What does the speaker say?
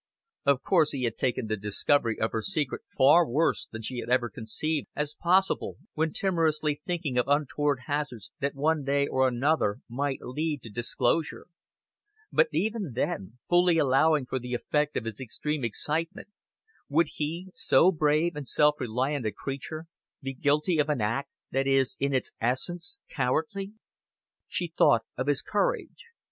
Of course he had taken the discovery of her secret far worse than she had ever conceived as possible, when timorously thinking of untoward hazards that one day or another might lead to disclosure. But, even then, fully allowing for the effect of his extreme excitement, would he, so brave and self reliant a creature, be guilty of an act that is in its essence cowardly? She thought of his courage.